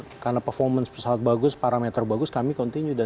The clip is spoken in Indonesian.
dan akhirnya karena performance pesawat bagus parameter itu tidak terlalu signifikan